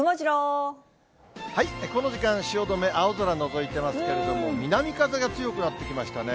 この時間、汐留、青空のぞいてますけれども、南風が強くなってきましたね。